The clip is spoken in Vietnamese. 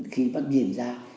khi bác nhìn ra